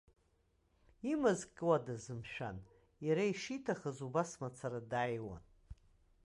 Имазкуадаз, мшәан, иара ишиҭахыз убас мацара дааиуан.